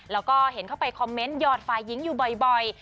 แล้วก็เห็นเข้าไปคอมเมนต์หยอดฝ่ายหญิงอยู่บ่อย